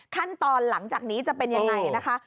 ขั้นตอนหลังจากนี้จะเป็นยังไงนะคะ